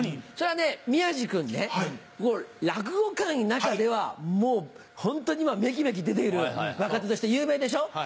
それはね宮治君ね落語界の中ではもうホントに今めきめき出ている若手として有名でしょ？